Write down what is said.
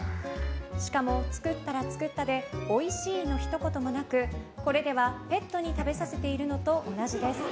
しかも作ったら作ったでおいしいのひと言もなくこれではペットに食べさせているのと同じです。